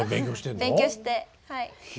勉強してはい。